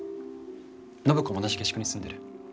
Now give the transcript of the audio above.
暢子も同じ下宿に住んでる。